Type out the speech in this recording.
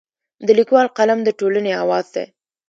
د لیکوال قلم د ټولنې اواز دی.